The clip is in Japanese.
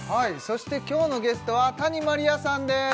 そして今日のゲストは谷まりあさんです